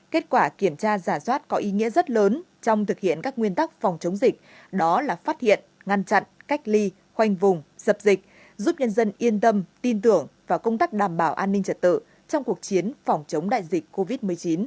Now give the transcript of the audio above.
kết quả kiểm tra giả soát có ý nghĩa rất lớn trong thực hiện các nguyên tắc phòng chống dịch đó là phát hiện ngăn chặn cách ly khoanh vùng dập dịch giúp nhân dân yên tâm tin tưởng vào công tác đảm bảo an ninh trật tự trong cuộc chiến phòng chống đại dịch covid một mươi chín